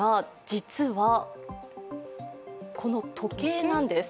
実はこの時計なんです。